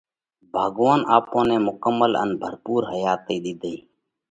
ڀڳوونَ آپون نئہ مُڪمل ان ڀرپُور حياتئِي ۮِيڌئيه۔